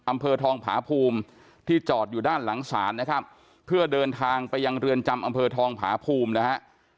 อำเภอทองผาภูมิที่จอดอยู่ด้านหลังศาลนะครับเพื่อเดินทางไปยังเรือนจำอำเภอทองผาภูมินะฮะ